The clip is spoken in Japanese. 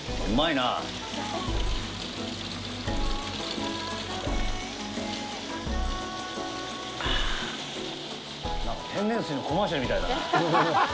なんか、天然水のコマーシャルみたいだな。